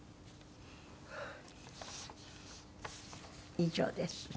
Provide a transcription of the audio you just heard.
以上です。